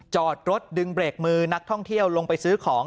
จอดรถดึงเบรกมือนักท่องเที่ยวลงไปซื้อของ